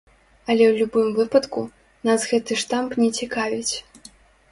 Але ў любым выпадку, нас гэты штамп не цікавіць.